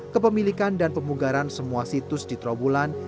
kepemilikan dan pemunggaran semua situs di tromulan